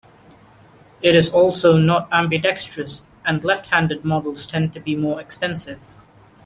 It is also not ambidextrous, and left-handed models tend to be more expensive.